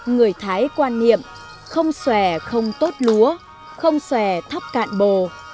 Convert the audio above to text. người thái quan niệm không xòe không tốt lúa không xòe thắp cạn bồ